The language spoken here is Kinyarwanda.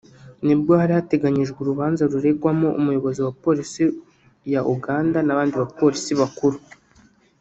ni bwo hari hateganyijwe urubanza ruregwamo Umuyobozi wa polisi ya Uganda n’abandi bapolisi bakuru